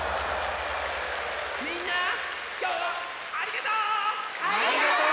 みんなきょうはありがとう！